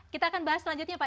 kita akan bahas selanjutnya pak